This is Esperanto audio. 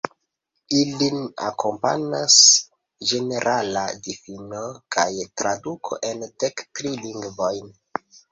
Ilin akompanas ĝenerala difino kaj traduko en dek tri lingvojn.